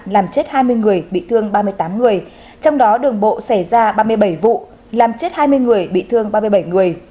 làm chết hai mươi người bị thương ba mươi tám người trong đó đường bộ xảy ra ba mươi bảy vụ làm chết hai mươi người bị thương ba mươi bảy người